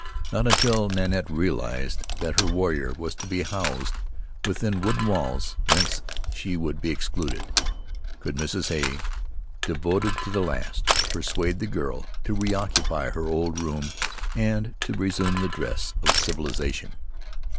Not until Nanette realized that her warrior was to be housed within wooden walls whence she would be excluded, could Mrs. Hay, devoted to the last, persuade the girl to reoccupy her old room and to resume the dress of civilization.